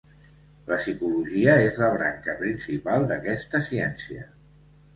La psicologia és la branca principal d'aquesta ciència.